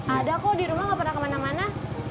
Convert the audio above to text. ada kok dirumah gak pernah kemana mana